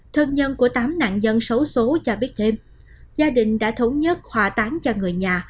thân nhân của tám nạn nhân xấu xố cho biết thêm gia đình đã thống nhất hòa tán cho người nhà